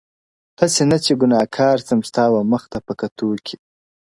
o هسي نه چي ګناه کار سم ستا و مخ ته په کتو کي ,